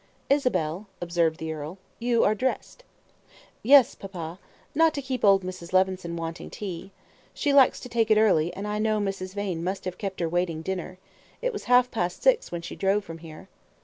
"Isabel," observed the earl, "you are dressed." "Yes, papa. Not to keep old Mrs. Levison waiting tea. She likes to take it early, and I know Mrs. Vane must have kept her waiting dinner. It was half past six when she drove from here."